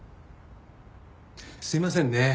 すいませんね